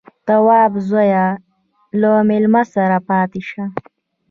_توابه زويه، له مېلمه سره پاتې شه.